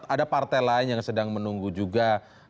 ada partai lain yang sedang menunggu juga